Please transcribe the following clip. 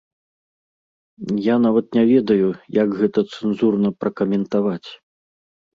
Я нават не ведаю, як гэта цэнзурна пракаментаваць.